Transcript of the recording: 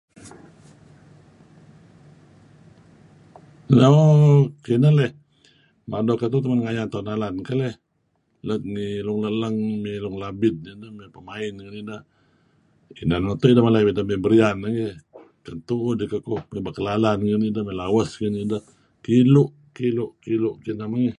Moo kinah leh, mado ketuh teh ngayan tauh nalan keleh let ngi Long Lellang mey Long Labid nidah mey ngi Pa' Main ngih neh. Inan meto' nuk mala idah mey Berian keh kan tu'uh dih kekuh mey Ba' Kelalan ngi nidah mey Lawas ngi nidah kilu' kilu' kilu' tidah mengih.